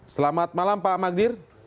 selamat malam pak magdir